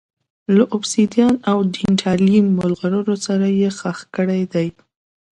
له اوبسیدیان او ډینټالیم مرغلرو سره ښخ کړي دي